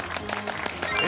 え